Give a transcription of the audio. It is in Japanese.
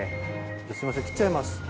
すいません切っちゃいます。